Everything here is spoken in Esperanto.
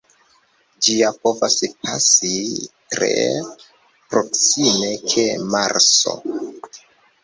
Ĝia povas pasi tre proksime de Marso.